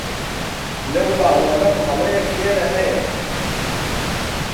لەو باوەڕەم هەڵەیەک لێرە هەیە.